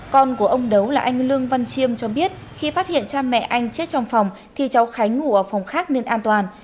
con của ông đấu là anh lương văn chiêm cho biết khi phát hiện cha mẹ anh chết trong phòng thì cháu khánh ngủ ở phòng khác nên an toàn